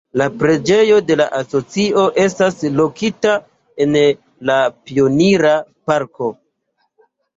La Preĝejo de la Asocio estas lokita en la Pionira Parko.